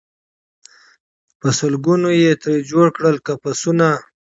په سل ګونو یې ترې جوړ کړل قفسونه